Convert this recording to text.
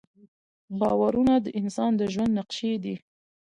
باورونه د انسان د ژوند نقشې دي.